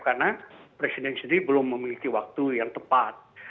karena presiden sendiri belum memiliki waktu yang tepat